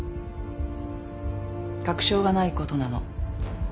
確証がないことなの。